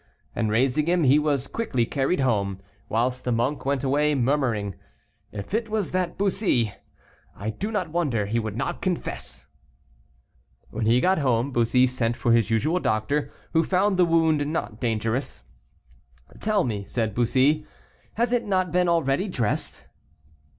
And raising him, he was quickly carried home, whilst the monk went away, murmuring, "If it was that Bussy, I do not wonder he would not confess!" When he got home, Bussy sent for his usual doctor, who found the wound not dangerous. "Tell me," said Bussy, "has it not been already dressed?"